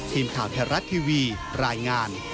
ทีมข่าวไทยรัฐทีวีรายงาน